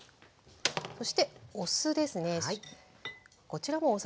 そしてお酢ですね。